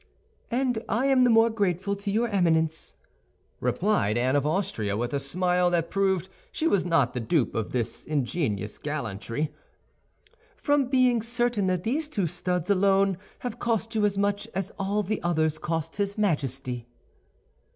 "And I am the more grateful to your Eminence," replied Anne of Austria, with a smile that proved she was not the dupe of this ingenious gallantry, "from being certain that these two studs alone have cost you as much as all the others cost his Majesty."